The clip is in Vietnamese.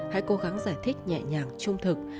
hãy cố gắng giải thích nhẹ nhàng trung thực